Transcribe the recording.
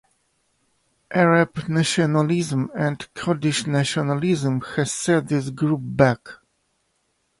Arab nationalism and Kurdish nationalism has set this group back.